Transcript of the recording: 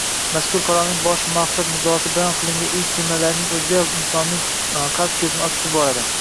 Mazkur qarorning maqsad-muddaosi bayon qilingan ilk jumlalarning oʻziyoq insonning qalb koʻzini ochib yuboradi.